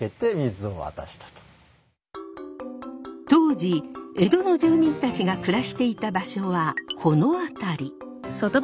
当時江戸の住民たちが暮らしていた場所はこの辺り。